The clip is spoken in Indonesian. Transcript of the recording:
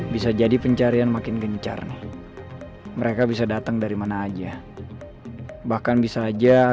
bisa jadi pencarian makin gencar mereka bisa datang dari mana aja bahkan bisa aja